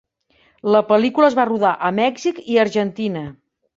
La pel·lícula es va rodar a Mèxic i Argentina.